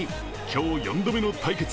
今日４度目の対決。